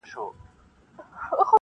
• زما بغات ستا له ګفتاره سره نه جوړیږي -